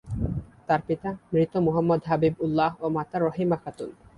তার পিতা মৃত মোহাম্মদ হাবিব উল্লাহ ও মাতা মৃত রহিমা খাতুন।